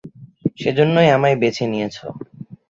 সেজন্যই আমায় বেছে নিয়েছো।